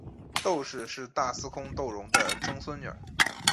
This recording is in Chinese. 窦氏是大司空窦融的曾孙女。